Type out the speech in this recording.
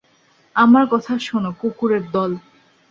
আমার কথা শোন, কুকুরের দল।